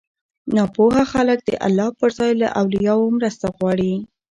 ناپوهه خلک د الله پر ځای له اولياوو مرسته غواړي